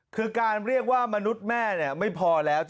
คือการเรียกว่ามนุษย์แม่ไม่พอแล้ว